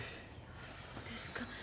そうですか。